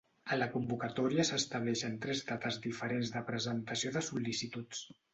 A la convocatòria s'estableixen tres dates diferents de presentació de sol·licituds.